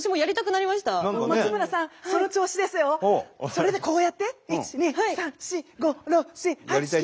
それでこうやって１２３４５６７８９。